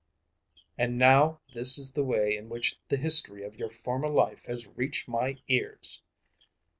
"And now this is the way in which the history of your former life has reached my ears!"